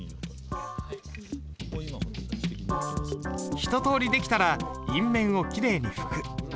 一とおり出来たら印面をきれいに拭く。